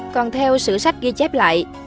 còn theo sử sách ghi chép lại